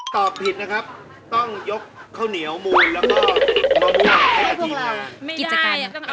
ตอบผิดนะครับต้องยกข้าวเหนียวมูนแล้วก็มะมุกให้กันดีนะ